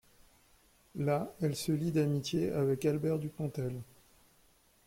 Là, elle se lie d'amitié avec Albert Dupontel.